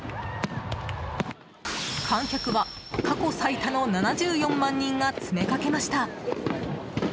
観客は、過去最多の７４万人が詰めかけました。